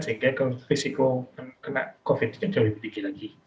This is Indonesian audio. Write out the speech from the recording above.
sehingga kalau risiko kena covid tidak jauh lebih tinggi lagi